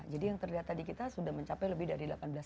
jadi yang terdata di kita sudah mencapai lebih dari delapan belas ribu